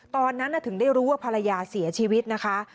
ตอนนั้นถึงได้รู้ว่าภรรยาเสียชีวิตนะคะ